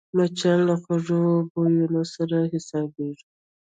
مچان له خوږو بویونو سره جذبېږي